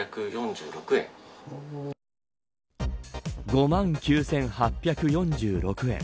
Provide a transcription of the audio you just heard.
５万９８４６円。